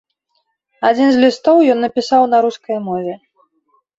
Адзін з лістоў ён напісаў на рускай мове.